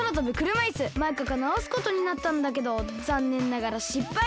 マイカがなおすことになったんだけどざんねんながらしっぱい。